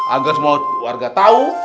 agar semua warga tahu